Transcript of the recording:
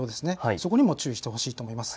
そこにも注意してほしいと思います。